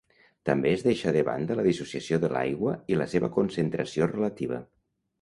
També es deixa de banda la dissociació de l'aigua i la seva concentració relativa.